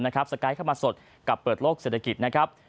สไกด์เข้ามาสดกับเปิดโลกเศรษฐกิจนะครับ